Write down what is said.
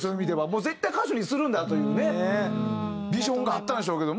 もう絶対歌手にするんだというねビジョンがあったんでしょうけど